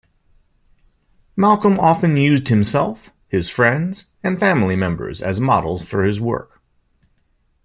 Malcolm often used himself, his friends, and family members as models for his works.